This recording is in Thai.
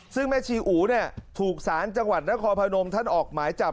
ซึ่งแม่ชีอู๋เนี่ยถูกสารจังหวัดนครพนมท่านออกหมายจับ